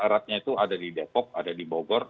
eratnya itu ada di depok ada di bogor